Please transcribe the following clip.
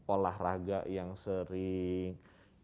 olahraga yang sering